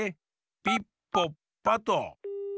ピッポッパッと。